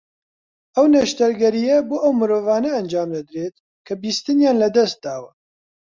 ئەو نەشتەرگەرییە بۆ ئەو مرۆڤانە ئەنجامدەدرێت کە بیستنیان لە دەست داوە